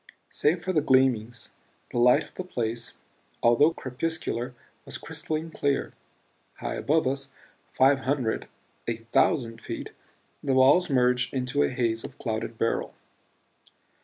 Save for these gleamings the light of the place, although crepuscular, was crystalline clear. High above us five hundred, a thousand feet the walls merged into a haze of clouded beryl.